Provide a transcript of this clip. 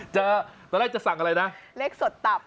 ตอนแรกจะสั่งอะไรนะเลขสดตับ